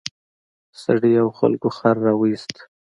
سړي او خلکو خر راوویست.